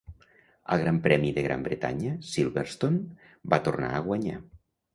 Al Gran Premi de Gran Bretanya, Silverstone, va tornar a guanyar.